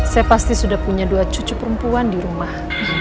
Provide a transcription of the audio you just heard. saya pasti sudah punya dua cucu perempuan di rumah